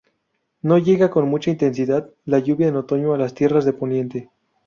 No llega con mucha intensidad la lluvia en otoño a las tierras de poniente.